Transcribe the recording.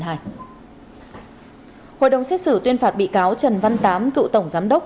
hội đồng xét xử tuyên phạt bị cáo trần văn tám cựu tổng giám đốc